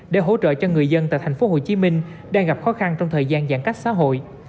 để hỗ trợ cho người dân tại thành phố hồ chí minh đang gặp khó khăn trong thời gian giãn cách xã hội